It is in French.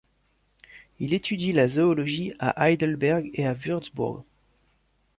Il étudie la zoologie à Heidelberg et à Wurtzbourg.